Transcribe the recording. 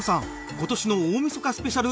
今年の大晦日スペシャル